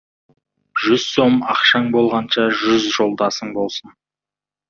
Жүз сом ақшаң болғанша, жүз жолдасың болсын.